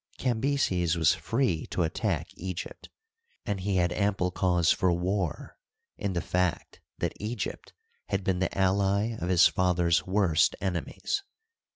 Cambyses was free to attack Egypt, and he had ample cause for war in the fact that Egypt had been the ally of his father's worst enemies.